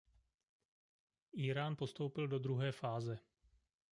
Írán postoupil do druhé fáze.